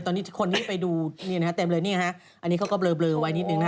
ตอนนี้คนที่ไปดูเต็มเลยนี่ฮะอันนี้เขาก็เบลอไว้นิดนึงนะ